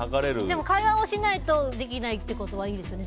でも会話をしないとできないということはいいですよね。